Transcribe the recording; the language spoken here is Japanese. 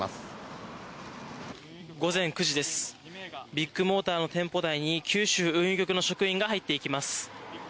ビッグモーターの店舗内に九州運輸局の職員が入っていきます。